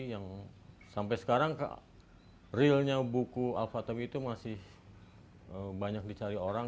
yang sampai sekarang realnya buku alfatomi itu masih banyak dicari orang